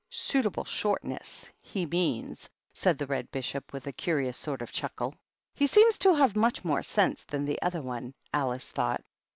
"Suitable shortness, he means,^^ said the Red Bishop, with a curious sort of chuckle. " He seems to have much more sense than the other one," Alice thought.